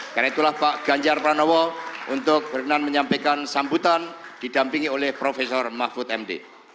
karena itulah pak ganjar pranowo untuk bernan menyampaikan sambutan didampingi oleh profesor mahfud md